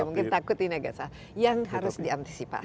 mungkin takut ini agak salah yang harus diantisipasi